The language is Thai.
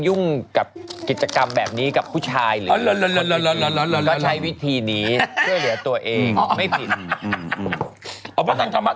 อย่างงี้ไม่ได้ระคนจะไม่เรียกรักษาผมประชาน